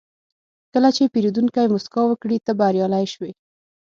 کله چې پیرودونکی موسکا وکړي، ته بریالی شوې.